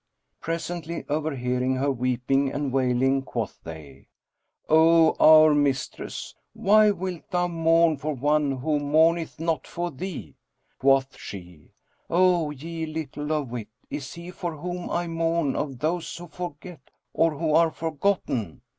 Presently, overhearing her weeping and wailing quoth they, "O our mistress, why wilt thou mourn for one who mourneth not for thee?" Quoth she, "O ye little of wit, is he for whom I mourn of those who forget or who are forgotten?"